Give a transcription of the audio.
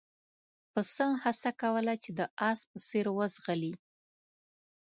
پسه هڅه کوله چې د اس په څېر وځغلي.